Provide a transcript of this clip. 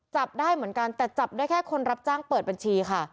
จับได้เหมือนกันแต่จับได้แค่คนรับจ้างเปิดบัญชีค่ะ